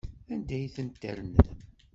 Anda ay tent-ternam?